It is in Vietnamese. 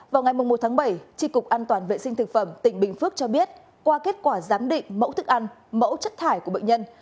vào ngày một tháng bảy tri cục an toàn vệ sinh thực phẩm tỉnh bình phước cho biết qua kết quả giám định mẫu thức ăn mẫu chất thải của bệnh nhân